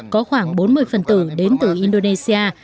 có khoảng bốn mươi phần tử đến từ indonesia